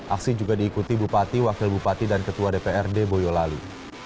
aksi juga diikuti bupati wakil bupati dan ketua dprd boyolali